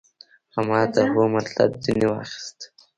او ما د هو مطلب ځنې واخيست.